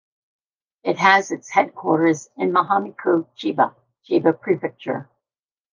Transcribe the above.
It has its headquarters in Mihama-ku, Chiba, Chiba Prefecture.